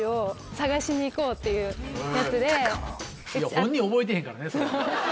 本人覚えてへんからねそれ。